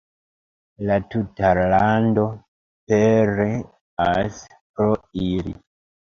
La tuta lando pereas pro ili.